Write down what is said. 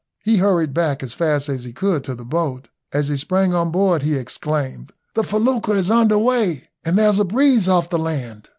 He hurried back as fast as he could to the boat. As he sprang on board, he exclaimed, "The felucca is under weigh, and there's a breeze off the land."